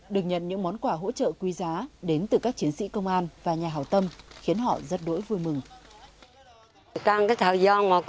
được nhận những món quà hỗ trợ quý giá đến từ các chiến sĩ công an và nhà hào tâm khiến họ rất đối vui mừng